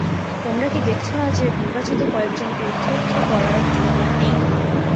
তোমরা কি দেখছ না যে, নির্বাচিত কয়েকজনকে উদ্বুদ্ধ করার যুগ আর নেই।